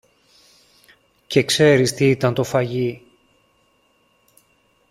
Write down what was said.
Και ξέρεις τι ήταν το φαγί